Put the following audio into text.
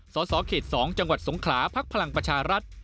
สเขต๒จังหวัดสงขลาพพลังประชารัฐ